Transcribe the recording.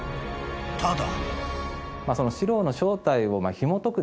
ただ］